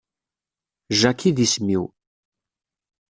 Jack i d isem-iw.